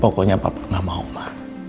pokoknya papa gak mau lah